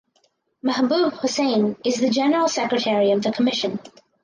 Mahbub Hossain is the General Secretary of the commission.